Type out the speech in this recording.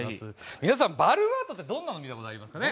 皆さん、バルーンアートってどんなの見たことあります？